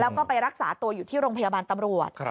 แล้วก็ไปรักษาตัวอยู่ที่โรงพยาบาลตำรวจ